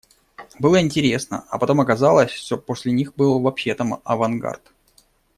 Было интересно, а потом оказалось, что после них был вообще там авангард.